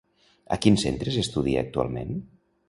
A quins centres estudia actualment?